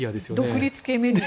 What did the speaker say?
独立系メディア。